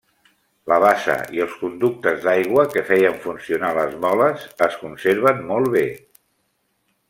La bassa i els conductes d'aigua que feien funcionar les moles es conserven molt bé.